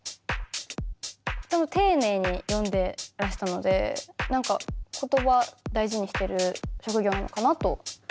でも丁寧に読んでらしたので何か言葉大事にしてる職業なのかなと思いました。